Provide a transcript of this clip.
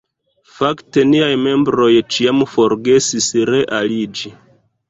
Fakte niaj membroj ĉiam forgesis re-aliĝi.